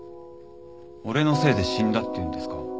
俺のせいで死んだって言うんですか？